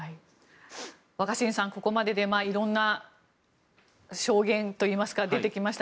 若新さん、ここまででいろんな証言といいますか出てきました。